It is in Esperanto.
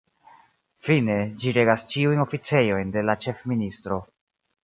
Fine, ĝi regas ĉiujn oficejojn de la ĉefministro.